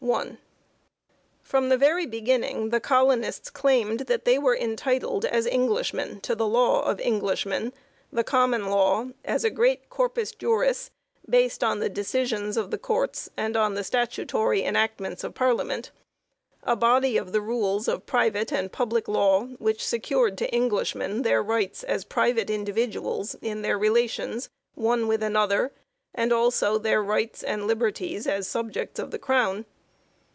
From the very beginning the colonists claimed that they were entitled as Englishmen to the law of Englishmen the Common Law as a great corpus iuris based on the decisions of the courts and on the ON AMERICAN DEVELOPMENT 185 statutory enactments of Parliament, a body of the rules of private and public law which secured to Englishmen their rights as private individuals in their relations one with another and also their rights and liberties as sub jects of the Crown.